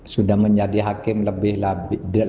sudah menjadi hakim lebih